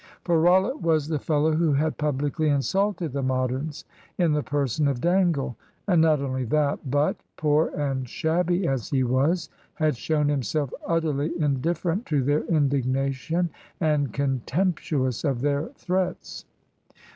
For Rollitt was the fellow who had publicly insulted the Moderns in the person of Dangle; and not only that, but poor and shabby as he was had shown himself utterly indifferent to their indignation and contemptuous of their threats.